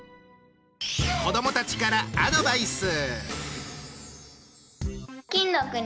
子どもたちからアドバイス。